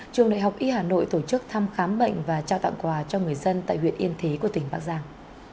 trường đại học y hà nội tổ chức thăm khám bệnh và trao tặng quà cho người dân tại huyện yên thí của tỉnh bắc giang